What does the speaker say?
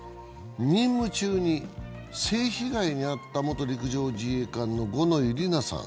任務駐に性被害に遭った元陸上自衛官の五ノ井里奈さん。